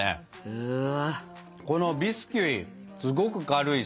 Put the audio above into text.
うわ！